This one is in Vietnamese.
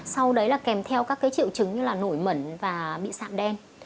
sau đấy là kèm theo các cái triệu chứng như là nổi mẩn và bị sạm đen